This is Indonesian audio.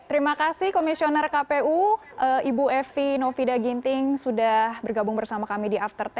terima kasih komisioner kpu ibu evi novida ginting sudah bergabung bersama kami di after sepuluh